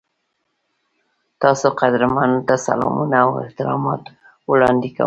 تاسو قدرمنو ته سلامونه او احترامات وړاندې کوم.